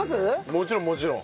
もちろんもちろん。